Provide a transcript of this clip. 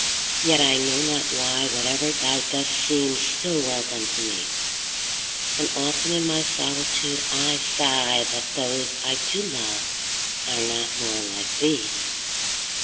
—yet, I know not why, 5 Whate'er thou dost seems still well done, to me: And often in my solitude I sigh That those I do love are not more like thee!